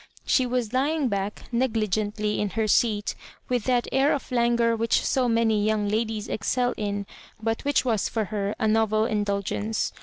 She ^was lying back negligently in her seat, with that air of languor which so many young ladies excel in, but which was for her a novel indulgence.